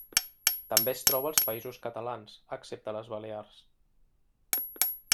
També es troba als Països Catalans, excepte les Balears.